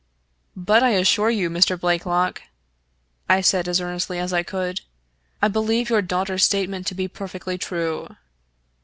" But I assure you, Mr. Blakelock," I said as earnestly as I could, " I believe your daughter's statement to be perfectly true.